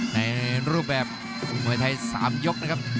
ในรูปแบบเมื่อทาย๓ยก